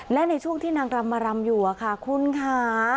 และในช่วงที่นางรำมารำอยู่ค่ะคุณค่ะ